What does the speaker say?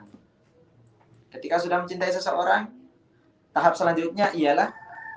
hai ketika sudah mencintai seseorang tahap selanjutnya ialah